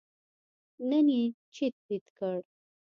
نن یې چیت پیت کړ.